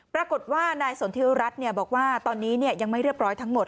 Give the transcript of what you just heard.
ปรากฏว่านายสนทิวรัฐบอกว่าตอนนี้ยังไม่เรียบร้อยทั้งหมด